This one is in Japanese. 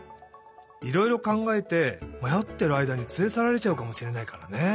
いろいろかんがえてまよってるあいだにつれさられちゃうかもしれないからね。